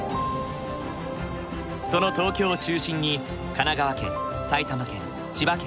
その東京を中心に神奈川県埼玉県千葉県